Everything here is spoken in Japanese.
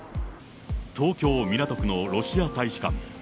東京・港区のロシア大使館。